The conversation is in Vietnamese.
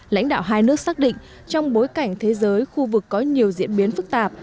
lãnh đạo hai nước xác định trong bối cảnh thế giới khu vực có nhiều diễn biến phức tạp